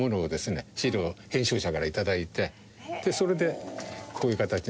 資料を編集者から頂いてでそれでこういう形に。